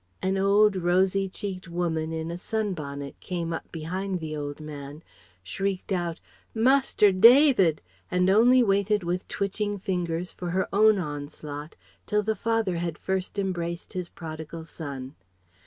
An old, rosy cheeked woman in a sunbonnet came up behind the old man, shrieked out "Master David!" and only waited with twitching fingers for her own onslaught till the father had first embraced his prodigal son.